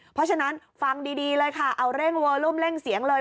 เพราะฉะนั้นฟังดีเลยค่ะเอาเร่งโวลุ่มเร่งเสียงเลย